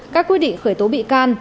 các quyết định khởi tố bị can